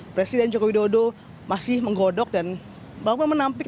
presiden jokowi dodo masih menggodok dan bahkan menampik